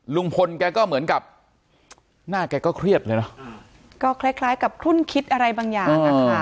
ลุงพลแกก็เหมือนกับหน้าแกก็เครียดเลยเนอะก็คล้ายคล้ายกับคลุ่นคิดอะไรบางอย่างนะคะ